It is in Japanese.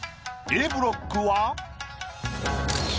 Ａブロックは？